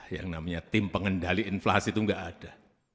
yang namanya tim pengendali inflasi itu nggak ada